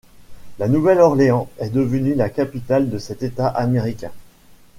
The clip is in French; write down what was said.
La Nouvelle-Orléans est devenue la capitale de cet État américain.